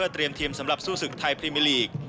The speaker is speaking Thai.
เตรียมทีมสำหรับสู้ศึกไทยพรีมิลีก